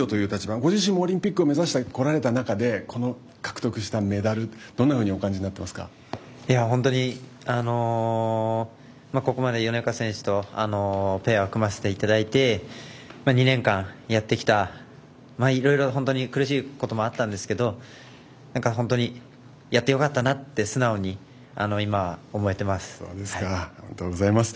ご自身もオリンピックを目指してこられた中でこの獲得したメダルどんなふうに本当に、ここまで米岡選手とペアを組ませていただいて２年間やってきたいろいろ本当に苦しいこともあったんですけど本当にやってよかったなって素直おめでとうございます。